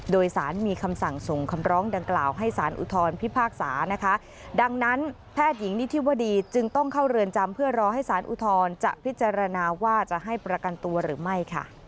โดยสารมีคำสั่งส่งคำร้องดังกล่าวให้สารอุทธรพิพากษานะคะดังนั้นแพทย์หญิงนิธิวดีจึงต้องเข้าเรือนจำเพื่อรอให้สารอุทธรณ์จะพิจารณาว่าจะให้ประกันตัวหรือไม่ค่ะ